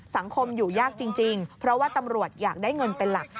สังคมอยู่ยากจริงเพราะว่าตำรวจอยากได้เงินเป็นหลัก